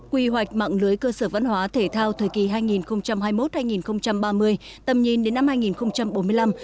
quy hoạch mạng lưới cơ sở văn hóa thể thao thời kỳ hai nghìn hai mươi một hai nghìn ba mươi tầm nhìn đến năm hai nghìn bốn mươi năm